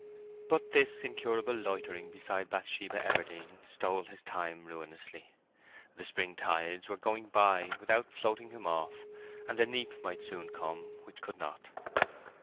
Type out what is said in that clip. But this incurable loitering beside Bathsheba Everdene stole his time ruinously. The spring tides were going by without floating him off, and the neap might soon come which could not.